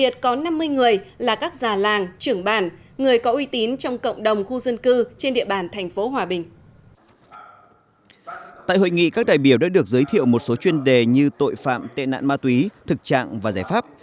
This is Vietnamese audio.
tại hội nghị các đại biểu đã được giới thiệu một số chuyên đề như tội phạm tệ nạn ma túy thực trạng và giải pháp